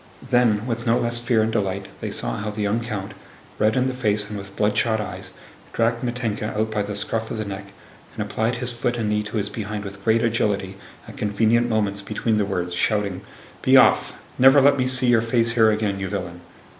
Then with no less fear and delight they saw how the young count, red in the face and with bloodshot eyes, dragged Mítenka out by the scruff of the neck and applied his foot and knee to his behind with great agility at convenient moments between the words, shouting, "Be off! Never let me see your face here again, you villain!"